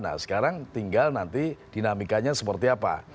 nah sekarang tinggal nanti dinamikanya seperti apa